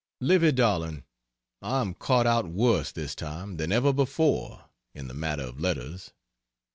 Livy darling, I am caught out worse this time than ever before, in the matter of letters.